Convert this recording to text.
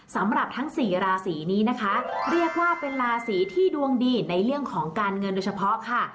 สำหรับทั้งสี่ราศีนี้นะคะเรียกว่าเป็นราศีที่ดวงดีในเรื่องของการเงินโดยเฉพาะค่ะ